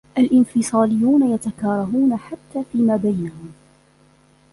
الإنفصاليون يتكارهون حتى فيما بينهم.